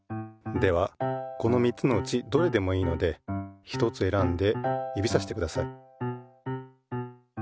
ではこの３つのうちどれでもいいのでひとつ選んで指さしてください。